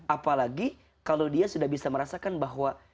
apalagi kalau dia sudah bisa merasakan bahwa